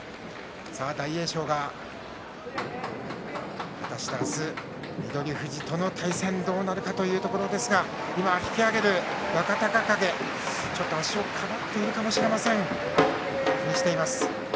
大栄翔が果たして明日翠富士との対戦どうなるかというところですが今、引き揚げる若隆景足をかばっているかもしれません。